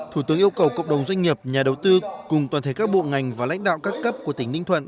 thủ tướng yêu cầu cộng đồng doanh nghiệp nhà đầu tư cùng toàn thể các bộ ngành và lãnh đạo các cấp của tỉnh ninh thuận